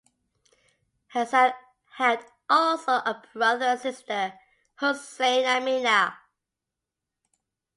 Hassan had also a brother and sister, Hussein and Mina.